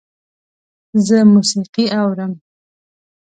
زه موسیقي اورم